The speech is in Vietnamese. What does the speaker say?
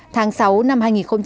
tháng sáu năm hai nghìn một mươi năm